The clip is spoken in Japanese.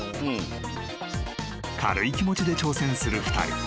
［軽い気持ちで挑戦する２人］